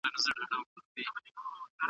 د دې ډبرې لاره له ځمکې څخه ډېره لیرې اټکل شوې.